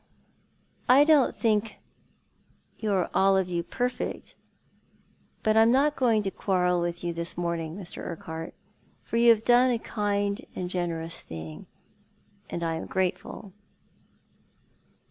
"I don't think you are all of you perfect — but I am not going to quarrel with you this morning, Mr. Urquhart, for you have done a kind and generous thing, and I am grateful."